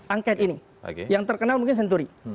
angket ini yang terkenal mungkin senturi